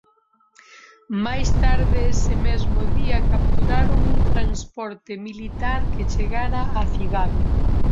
Máis tarde ese mesmo día capturaron un transporte militar que chegara á cidade.